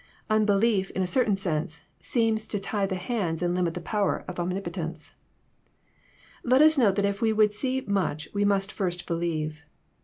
Unbelief, in a certain sense, seems to tie the hands and limit the power of omnipotence. Let us note that if we would see much we must first believe.